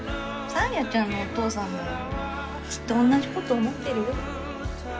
サーリャちゃんのお父さんもきっとおんなじこと思ってるよ。